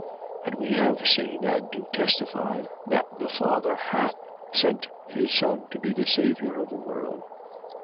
4:14. And we have seen and do testify that the Father hath sent his Son to be the Saviour of the world.